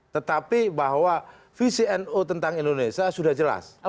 tetapi bahwa visi nu tentang indonesia sudah jelas